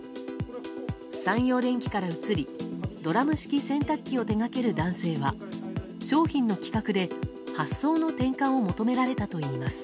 三洋電機から移りドラム式洗濯機を手掛ける男性は商品の企画で発想の転換を求められたといいます。